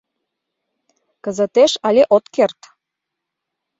«Кызытеш але от керт.